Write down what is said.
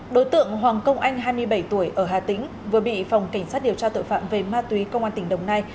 đối tượng hoàng công anh hai mươi bảy tuổi ở hà tĩnh vừa bị phòng cảnh sát điều tra tội phạm về ma túy công an tỉnh đồng nai